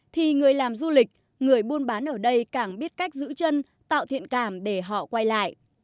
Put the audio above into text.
thì người làm du lịch người buôn bán ở đây càng biết cách giữ chân tạo thiện cảm để họ quay lại